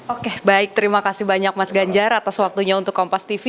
oke baik terima kasih banyak mas ganjar atas waktunya untuk kompas tv